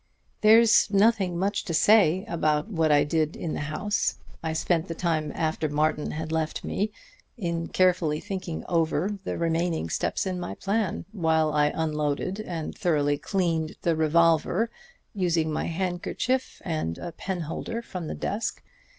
"There's nothing much to say about what I did in the house. I spent the time after Martin had left me in carefully thinking over the remaining steps in my plan, while I unloaded and thoroughly cleaned the revolver, using my handkerchief and a penholder from the desk.